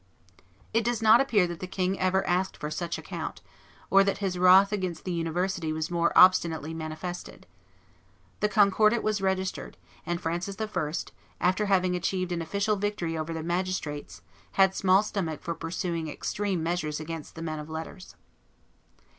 It does not appear that the king ever asked for such account, or that his wrath against the University was more obstinately manifested. The Concordat was registered, and Francis I., after having achieved an official victory over the magistrates, had small stomach for pursuing extreme measures against the men of letters.